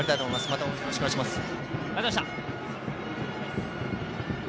また応援よろしくお願いします。